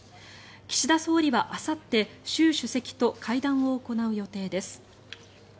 岸田総理はあさって習主席と会談を行う予定です。